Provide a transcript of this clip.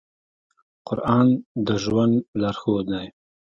قرآن د ژوند لارښود دی.